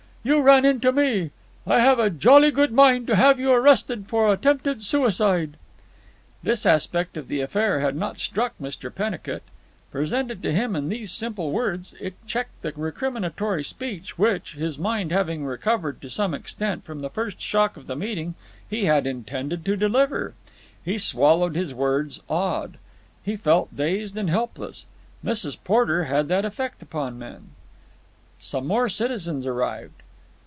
You ran into me. I have a jolly good mind to have you arrested for attempted suicide." This aspect of the affair had not struck Mr. Pennicut. Presented to him in these simple words, it checked the recriminatory speech which, his mind having recovered to some extent from the first shock of the meeting, he had intended to deliver. He swallowed his words, awed. He felt dazed and helpless. Mrs. Porter had that effect upon men. Some more citizens arrived.